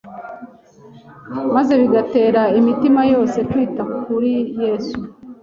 maze bigatera imitima yose kwita kuri Yesu.